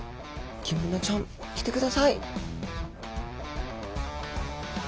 ギンブナちゃん来てください。